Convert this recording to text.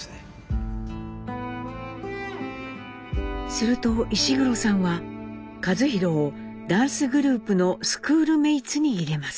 すると石黒さんは一寛をダンスグループのスクールメイツに入れます。